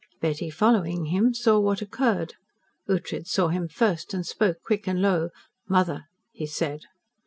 Betty, following him, saw what occurred. Ughtred saw him first, and spoke quick and low. "Mother!" he said.